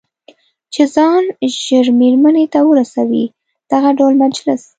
چې ځان ژر مېرمنې ته ورسوي، دغه ډول مجلس.